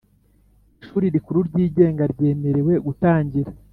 Ishuri rikuru ryigenga ryemerewe gutangira